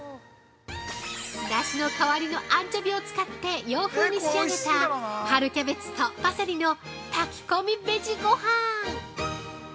だしの代わりのアンチョビを使って洋風に仕上げた春キャベツとパセリの炊き込みベジごはん。